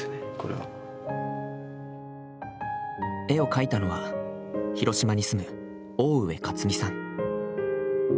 絵を描いたのは、広島に住む大上克己さん。